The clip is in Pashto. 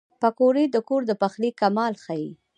پکورې د کور د پخلي کمال ښيي